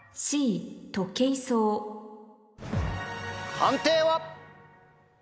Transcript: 判定は？